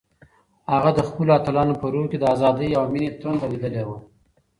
هغه د خپلو اتلانو په روح کې د ازادۍ او مینې تنده لیدلې وه.